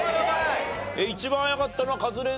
一番早かったのはカズレーザーでしたが。